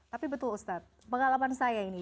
tapi betul ustadz pengalaman saya ini